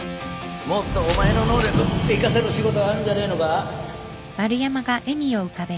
もっとお前の能力生かせる仕事あんじゃねえのか？